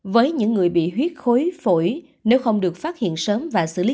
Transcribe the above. với những người bị huyết khối nếu không được phát hiện sớm và xử lý